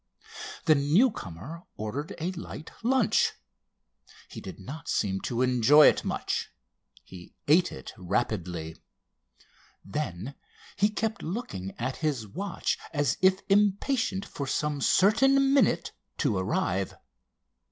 The newcomer ordered a light lunch. He did not seem to enjoy it much. He ate it rapidly. Then he kept looking at his watch as if impatient for some certain minute to arrive.